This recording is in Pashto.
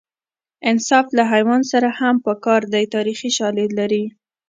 انصاف له حیوان سره هم په کار دی تاریخي شالید لري